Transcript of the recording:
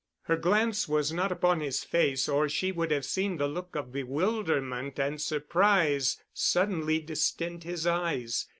Her glance was not upon his face or she would have seen the look of bewilderment and surprise suddenly distend his eyes.